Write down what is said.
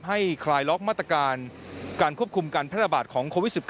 คลายล็อกมาตรการการควบคุมการแพร่ระบาดของโควิด๑๙